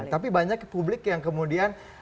tapi banyak publik yang kemudian